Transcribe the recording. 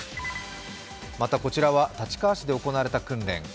また、こちらは立川市で行われた訓練。